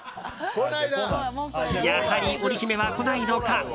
やはり織姫は来ないのか。